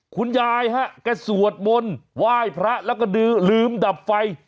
คุณยายฮะแกสวดมนต์ไหว้พระแล้วก็ดื้อลืมดับไฟ